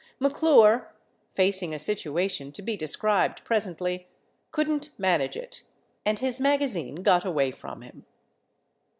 McClure, facing a situation to be described presently, couldn't manage it, and his magazine got away from him.